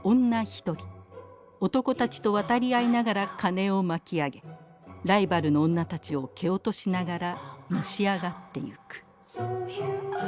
ひとり男たちと渡り合いながら金を巻き上げライバルの女たちを蹴落としながらのし上がっていく。